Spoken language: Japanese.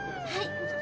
はい。